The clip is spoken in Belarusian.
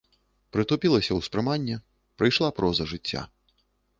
Прытупілася ўспрыманне, прыйшла проза жыцця.